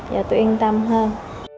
và tôi yên tâm hơn